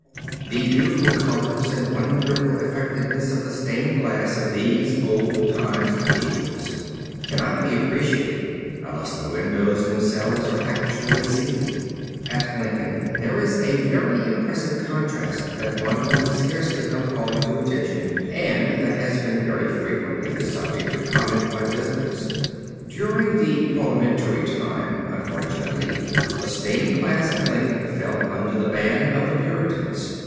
The beautiful colors and wonderful effectiveness of the stained glass of these old time Cathedrals cannot be appreciated unless the windows themselves are actually seen. At Lincoln there is a very impressive contrast that one can scarcely help calling to attention and that has been very frequently the subject of comment by visitors. During the Parliamentary time, unfortunately, the stained glass at Lincoln fell under the ban of the Puritans.